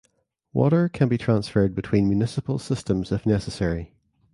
Water can be transferred between municipal systems if necessary.